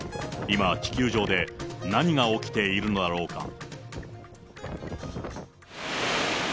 今、地球上で何が起きているのだろうか。